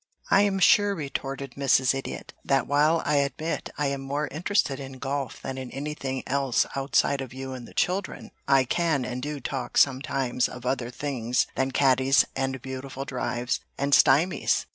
"I am sure," retorted Mrs. Idiot, "that while I admit I am more interested in golf than in anything else outside of you and the children, I can and do talk sometimes of other things than caddies, and beautiful drives, and stymies.